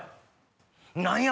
何や？